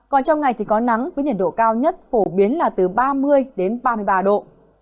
còn trong ngày thì có nắng với nhiệt độ cao nhất phổ biến là từ ba mươi đến ba mươi ba độ